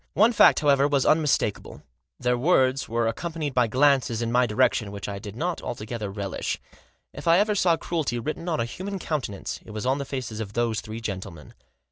One fact, however, was unmistakable ; their words were accompanied by glances in my direction, which I did not altogether relish. If ever I saw cruelty written on a human countenance it was on the faces of those three gentlemen.